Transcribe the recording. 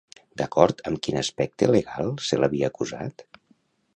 D'acord amb quin aspecte legal se l'havia acusat?